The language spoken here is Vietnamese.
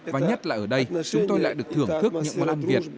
và nhất là ở đây chúng tôi lại được thưởng thức những món ăn việt